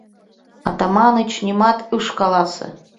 Атаманыч нимат ыш каласе.